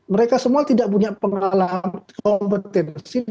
mereka semua tidak punya pengalaman kompetensi